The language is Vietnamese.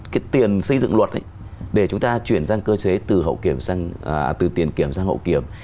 cái tiền xây dựng luật để chúng ta chuyển sang cơ chế từ tiền kiểm sang hậu kiểm